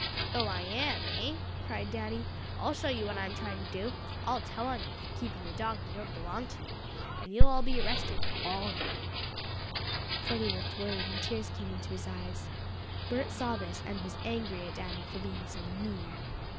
"Oh, I am eh?" cried Danny. "I'll show you what I'm trying to do. I'll tell on you for keeping a dog that don't belong to you, and you'll be arrested all of you." Freddie looked worried, and tears came into his eyes. Bert saw this, and was angry at Danny for being so mean.